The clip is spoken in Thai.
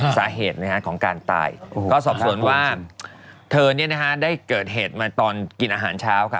สาเหตุของการตายก็สอบสวนว่าเธอได้เกิดเหตุมาตอนกินอาหารเช้าครับ